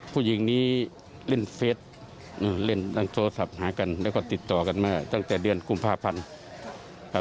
ผู้หญิงนี้เล่นเฟสเล่นโทรศัพท์หากันแล้วก็ติดต่อกันมาตั้งแต่เดือนกุมภาพันธ์ครับ